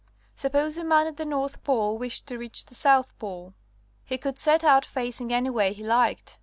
Suppose a man at the north pole wished to reach the south pole. He could set out facing any way he liked.